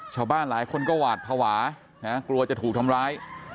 ชาวบ้านหลายคนก็หวาดภาวะกลัวจะถูกทำร้าย